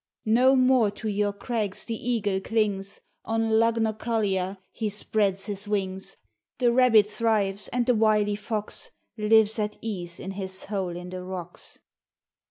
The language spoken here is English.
" No more to your crags the eagle clings, On Lug na cullia he spreads his wings, The rabbit thrives and the wily fox Lives at ease in his hole in the rocks.